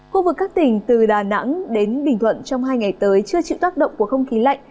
khu vực các tỉnh từ đà nẵng đến bình thuận trong hai ngày tới chưa chịu tác động của không khí lạnh